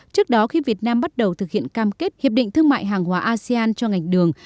trước đó khi việt nam bắt đầu thực hiện cam kết hiệp định thương mại hàng hóa asean cho ngành đường